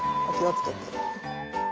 お気を付けて。